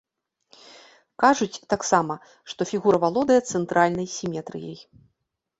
Кажуць таксама, што фігура валодае цэнтральнай сіметрыяй.